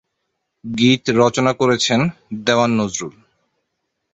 গীত রচনা করেছেন দেওয়ান নজরুল।